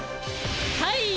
はい。